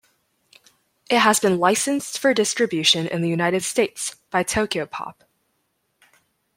It has been licensed for distribution in the United States by Tokyopop.